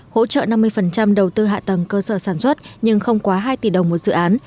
hỗ trợ năm mươi đầu tư hạ tầng cơ sở sản xuất nhưng không quá hai tỷ đồng một dự án